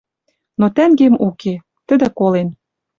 Но тӓнгем уке. Тӹдӹ колен